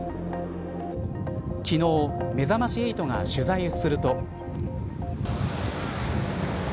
昨日、めざまし８が取材すると。